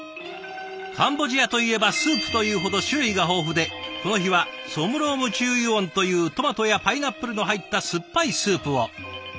「カンボジアといえばスープ」というほど種類が豊富でこの日はソムロームチューユオンというトマトやパイナップルの入った酸っぱいスープを。